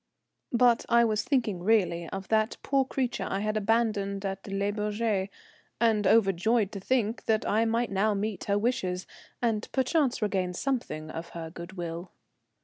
But I was thinking really of that poor creature I had abandoned at Le Bourget, and overjoyed to think that I might now meet her wishes, and perchance regain something of her good will.